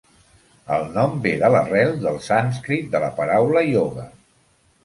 El nom ve de l'arrel del sànscrit de la paraula "ioga".